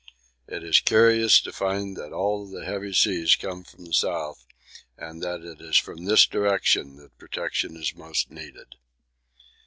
It is curious to find that all the heavy seas come from the south and that it is from this direction that protection is most needed.